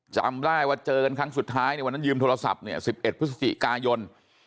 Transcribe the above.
จำได้ว่าเจอกันครั้งสุดท้ายในวันนั้นยืมโทรศัพท์เนี่ย๑๑พฤศจิกายน